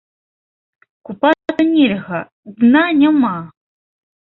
Купацца нельга, дна няма!